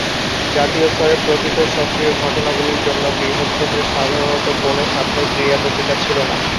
জাতীয় স্তরে প্রকৃত সক্রিয় ঘটনাগুলির জন্য বৃহত-ক্ষেত্রে সাধারণ কোনও সাপ্তাহিক ক্রীড়া পত্রিকা ছিল না।